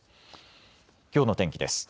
きょうの天気です。